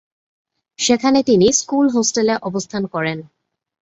সেখানে তিনি স্কুল হোস্টেলে অবস্থান করেন।